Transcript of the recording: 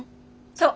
そう。